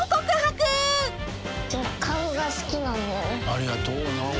ありがとうな。